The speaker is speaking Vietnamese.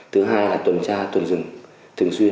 thứ hai là tuần tra tuần rừng